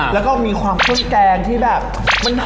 แล้วก็มีความขึ้นแกงที่แบบมันหอม